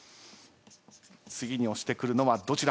次に押してくるのはどちらか？